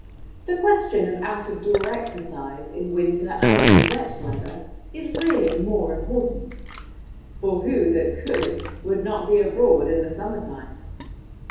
The question of out of door exercise in winter and in wet weather is really more important ; for who that could would not be abroad in the summer time?